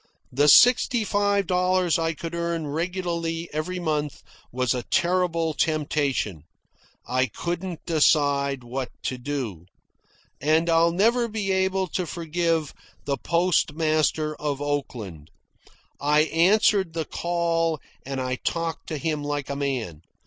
The sixty five dollars I could earn regularly every month was a terrible temptation. I couldn't decide what to do. And I'll never be able to forgive the postmaster of Oakland. I answered the call, and I talked to him like a man.